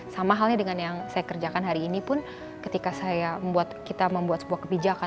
sama halnya dengan yang saya kerjakan hari ini pun ketika kita membuat sebuah kebijakan